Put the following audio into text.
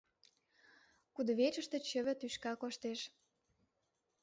Кудывечыште чыве тӱшка коштеш.